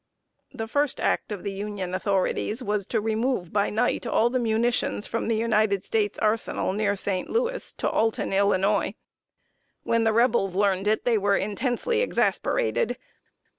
The first act of the Union authorities was to remove by night all the munitions from the United States Arsenal near St. Louis, to Alton, Illinois. When the Rebels learned it, they were intensely exasperated.